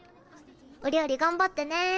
お料理頑張ってね。